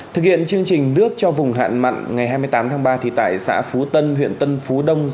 chuyển theo chương trình đước cho vùng hạn mặn vào ngày hai mươi tám tháng ba tại xã phú tân huyện tân phú đông